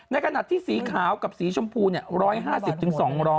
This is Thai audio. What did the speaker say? ในขณะที่สีขาวกับสีชมพู๑๕๐๒๐๐